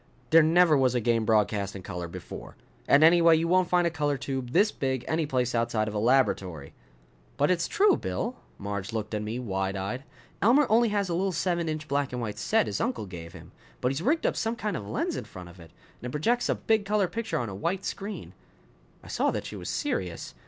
"There never was a game broadcast in color before. And, anyway, you won't find a color tube this big any place outside of a laboratory." "But it's true, Bill." Marge looked at me, wide eyed. "Elmer only has a little seven inch black and white set his uncle gave him. But he's rigged up some kind of lens in front of it, and it projects a big color picture on a white screen." I saw that she was serious.